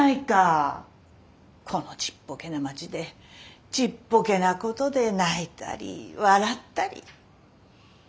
このちっぽけな町でちっぽけなことで泣いたり笑ったり。